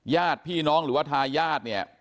ญาติพี่น้องหรือว่าทายาทเนี่ย